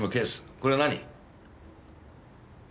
これは何？